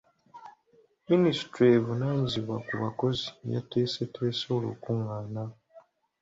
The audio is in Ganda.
Ministule evunaanyizibwa ku bakozi yateeseteese olukungaana.